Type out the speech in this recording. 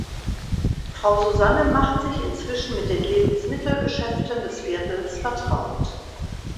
Frau Susanne macht sich inzwischen mit den Lebensmittelgeschäften des Viertels vertraut.